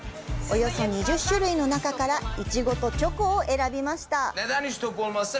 およそ２０種類の中からイチゴとチョコを選びました。